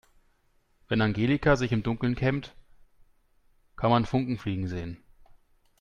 Wenn Angelika sich im Dunkeln kämmt, kann man Funken fliegen sehen.